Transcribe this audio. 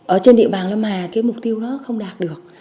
ở trên địa bàn là mà cái mục tiêu đó không đạt được